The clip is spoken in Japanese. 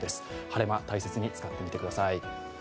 晴れ間、大切に使ってみてください